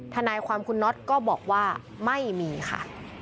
ทนายความคุณน็อตก็บอกว่าไม่มีค่ะ